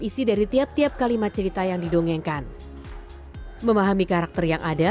isi dari tiap tiap kalimat cerita yang didongengkan memahami karakter yang ada